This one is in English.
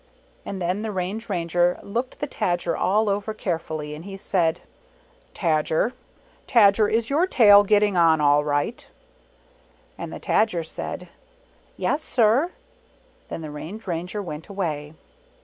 Then the Range Ranger looked the Tajer all over carefully, and he said, "Tajer, Tajer, is your tail getting on all right?" And the Tajer said, "Yes, sir." Then the Range Ranger went away.